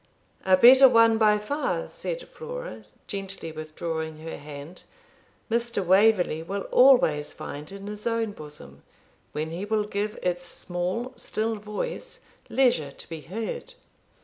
'A better one by far,' said Flora, gently withdrawing her hand, 'Mr. Waverley will always find in his own bosom, when he will give its small still voice leisure to be heard.'